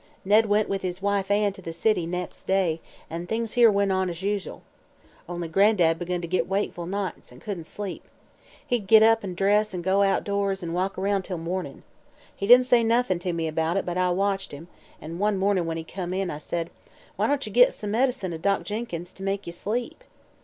Ned went with his wife Ann to the city, nex' day, an' things here went on as usual. Only, Gran'dad begun to git wakeful nights, an' couldn't sleep. He'd git up an' dress an' go outdoors an' walk aroun' till mornin'. He didn't say noth'n' to me about it, but I watched him, an' one mornin' when he come in I says: 'Why don't ye git some medicine o' Doc Jenkins to make ye sleep?'